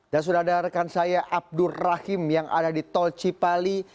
dan sudah ada rekan saya abdur rahim yang ada di tol cipali